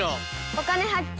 「お金発見」。